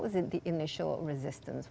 apa penyelesaian pertama